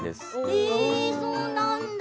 えー、そうなんだ！